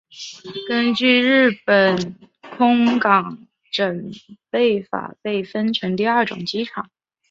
根据日本空港整备法被分成第二种机场。